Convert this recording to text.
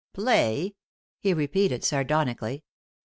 "Play?" he repeated, sardonically.